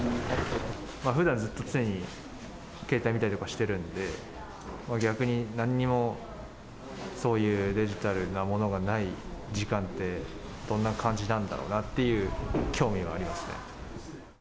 ふだんずっと常に携帯見たりとかしてるんで、逆に、なんにもそういうデジタルなものがない時間って、どんな感じなんだろうなっていう興味はありますね。